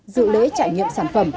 dự lễ trải nghiệm sản phẩm